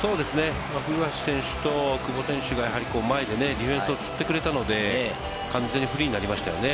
古橋選手と久保選手が前でディフェンスを釣ってくれたので、完全にフリーになりましたよね。